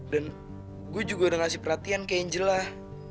dan gue juga udah ngasih perhatian ke angel lah